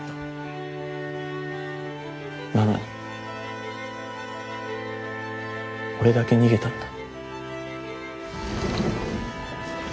なのに俺だけ逃げたんだ。